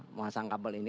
memasang kabel ini